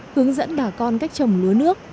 hướng dẫn bà con cách trồng lúa nước